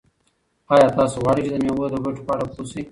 آیا تاسو غواړئ چې د مېوو د ګټو په اړه پوه شئ؟